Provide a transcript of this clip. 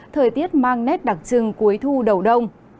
thời tiết mang nét đặc trưng cuối thu đầu đông